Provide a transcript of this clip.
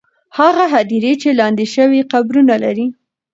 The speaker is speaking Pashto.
هغه هدیرې چې لاندې شوې، قبرونه لري.